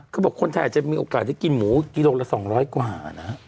เขาบอกคนไทยอาจจะมีโอกาสที่กินหมูกิโลกรัมละ๒๐๐กว่านะ